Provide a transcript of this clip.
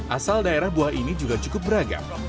asal daerah buah ini juga cukup beragam